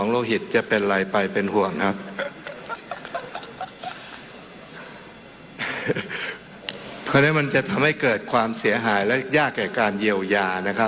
เพราะฉะนั้นมันจะทำให้เกิดความเสียหายและยากแก่การเยียวยานะครับ